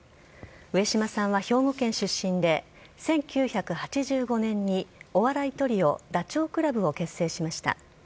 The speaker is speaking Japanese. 上島さんは兵庫県出身で１９８５年にお笑いトリオダチョウ倶楽部を結成しました。